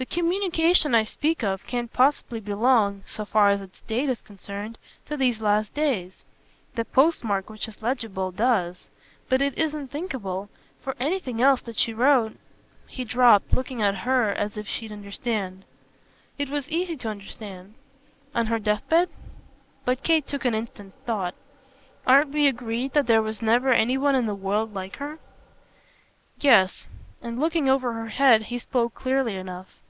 "The communication I speak of can't possibly belong so far as its date is concerned to these last days. The postmark, which is legible, does; but it isn't thinkable, for anything else, that she wrote !" He dropped, looking at her as if she'd understand. It was easy to understand. "On her deathbed?" But Kate took an instant's thought. "Aren't we agreed that there was never any one in the world like her?" "Yes." And looking over her head he spoke clearly enough.